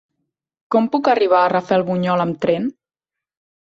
Com puc arribar a Rafelbunyol amb tren?